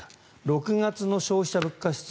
６月の消費者物価指数